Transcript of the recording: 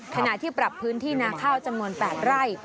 ขณะที่ปรับพื้นที่นาข้าวจำนวน๘ไร่